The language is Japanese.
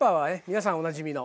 皆さんおなじみの。